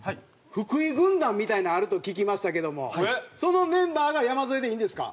「福井軍団」みたいなのがあると聞きましたけどもそのメンバーが山添でいいんですか？